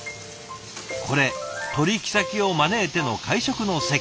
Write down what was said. これ取引先を招いての会食の席。